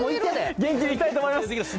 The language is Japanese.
元気にいきたいと思います。